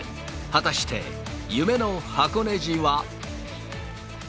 果たして夢の箱根路は。